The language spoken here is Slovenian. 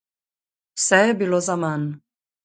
Vse je bilo zaman.